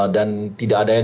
dan tidak ada yang